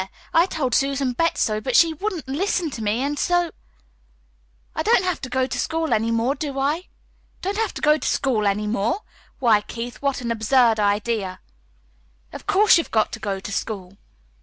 I told Susan Betts so, but she wouldn't LISTEN to me. And so I don't have to go to school any more, do I?" "Don't have to go to school any more! Why, Keith, what an absurd idea! Of course you've got to go to school!"